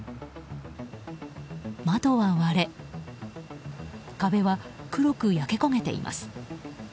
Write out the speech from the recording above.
窓は割れ壁は黒く焼け焦げています。